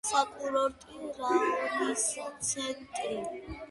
საკურორტო რაიონის ცენტრი.